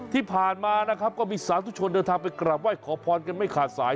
ที่ผ่านมานะครับก็มีสาธุชนเดินทางไปกลับไห้ขอพรกันไม่ขาดสาย